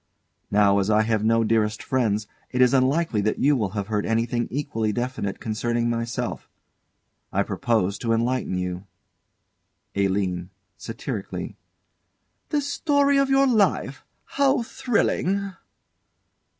Now, as I have no dearest friends, it is unlikely that you will have heard anything equally definite concerning myself. I propose to enlighten you. ALINE. [Satirically.] The story of your life how thrilling!